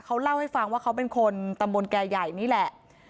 เขาเล่าให้ฟังว่าเขาเป็นคนตำบลแก่ใหญ่นี่แหละ